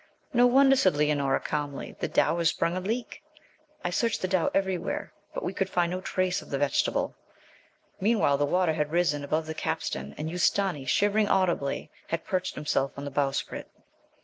'No wonder,' said Leonora, calmly. 'The dhow has sprung a leek.' I searched the dhow everywhere, but could find no trace of the vegetable. Meanwhile the water had risen above the capstan, and Ustâni, shivering audibly, had perched himself on the bowsprit.